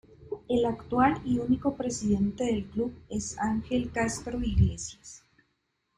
El actual y único presidente del club es Ángel Castro Iglesias.